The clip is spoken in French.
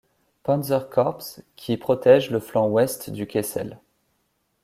Panzerkorps, qui protège le flanc ouest du Kessel.